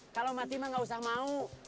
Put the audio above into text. kalau mati mah gak usah mau